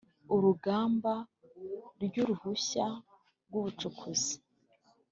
Urugamba ry uruhushya rw ubucukuzi